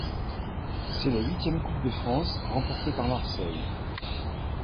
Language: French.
C'est la huitième Coupe de France remportée par Marseille.